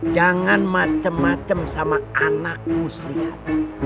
jangan macem macem sama anak muslihat